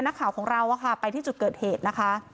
นักข่าวของเราไปที่จุดเกิดเหตุนะคะ